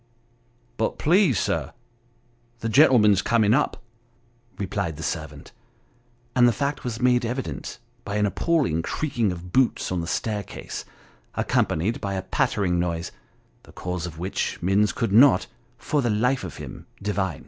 " But please, sir, the gentleman's coming up," replied the servant, and the fact was made evident, by an appalling creaking of boots on the staircase accompanied by a pattering noise ; the cause of which, Minns could not, for the life of him divine.